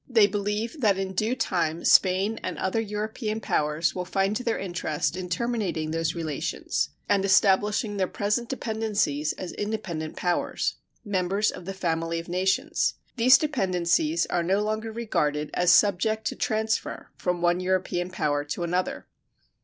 They believe that in due time Spain and other European powers will find their interest in terminating those relations and establishing their present dependencies as independent powers members of the family of nations. These dependencies are no longer regarded as subject to transfer from one European power to another.